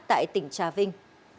tại tỉnh trà vinh